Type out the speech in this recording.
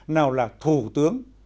nào là thủ tướng